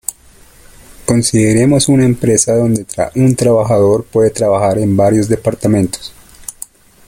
Consideremos una empresa donde un trabajador puede trabajar en varios departamentos.